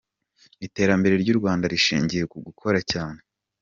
Iterambere ry’u Rwanda rishingiye ku gukora cyane.